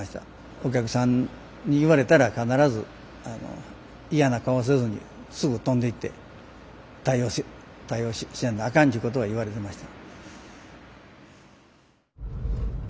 お客さんに言われたら必ず嫌な顔をせずにすぐ飛んでいって対応しやんとあかんちゅうことは言われてました。